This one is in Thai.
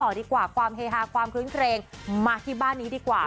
ดีกว่าความเฮฮาความคลื้นเครงมาที่บ้านนี้ดีกว่า